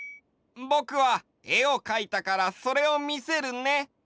ぼくはえをかいたからそれをみせるね！